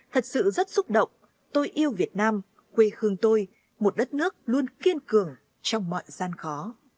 thật sự rất xúc động tôi yêu việt nam quê khương tôi một đất nước luôn kiên cường trong mọi gian khó